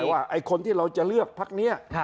อย่าผิดกฎอีกไอคนที่เราจะเลือกพักเนี้ยครับ